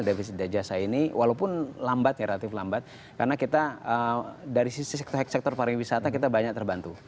defisit dan jasa ini walaupun lambat ya relatif lambat karena kita dari sisi sektor pariwisata kita banyak terbantu